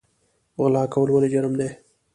غلا کول ولې جرم دی؟